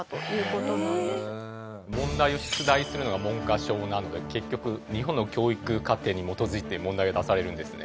問題を出題するのが文科省なので結局日本の教育課程に基づいて問題が出されるんですね。